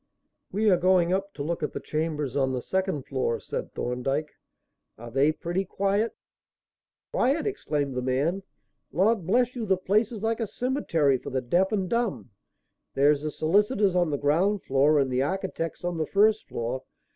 "We are going up to look at the chambers on the second floor," said Thorndyke. "Are they pretty quiet?" "Quiet!" exclaimed the man. "Lord bless you the place is like a cemetery for the deaf and dumb. There's the solicitors on the ground floor and the architects on the first floor.